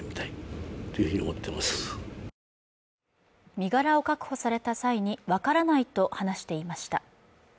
身柄を確保された際に分からないと話していました。